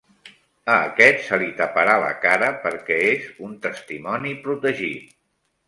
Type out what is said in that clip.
A aquest se li taparà la cara perquè és un testimoni protegit.